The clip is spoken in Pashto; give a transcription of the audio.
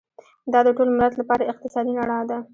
دا د ټول ملت لپاره اقتصادي رڼا ده.